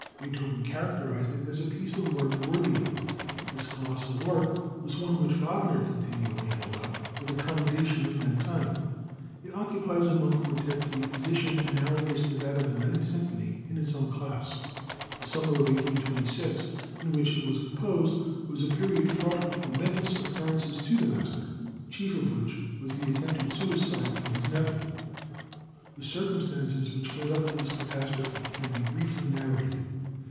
Beethoven characterized it as a piece of work worthy of him. This colossal work was one which Wagner continually held up for the commendation of mankind. It occupies among quartets a position analogous to that of the Ninth Symphony in its own class. The summer of 1826 in which it was composed, was a period fraught with momentous occurrences to the master, chief of which was the attempted suicide of his nephew. The circumstances which led up to this catastrophe can be briefly narrated.